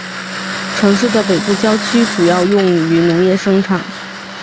城市的北部郊区主要用于农业生产。